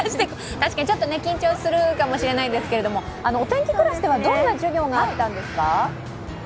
確かにちょっと緊張するかもしれないですけれどもお天気クラスではどんな授業があったんですか？